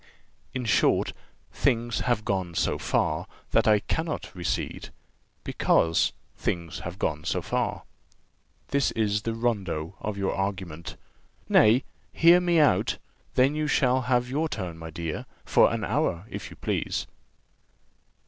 In short, things have gone so far that I cannot recede; because things have gone so far.' This is the rondeau of your argument. Nay, hear me out, then you shall have your turn, my dear, for an hour, if you please.